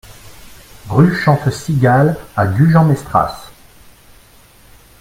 Rue Chante Cigale à Gujan-Mestras